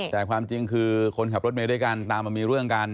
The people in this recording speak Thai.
แต่ความจริงคือคนขับรถเมย์ด้วยกันตามมามีเรื่องกัน